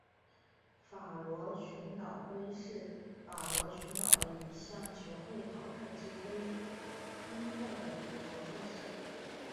法罗群岛杯是法罗群岛的一项球会淘汰制杯赛的足球赛事。